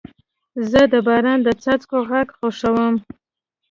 زه د باران د څاڅکو غږ خوښوم.